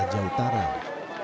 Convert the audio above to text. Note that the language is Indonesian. kita datang ke sini